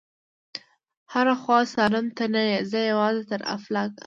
هره خوا څارم ته نه يې، زه یوازي تر افلاکه